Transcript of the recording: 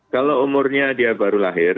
kalau umurnya dia baru lahir